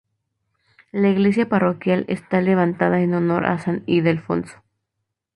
La iglesia parroquial está levantada en honor a San Ildefonso.